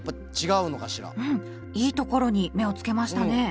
いいところに目をつけましたね。